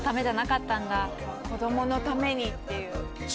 子どものためにっていう。